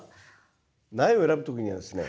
苗を選ぶ時にはですね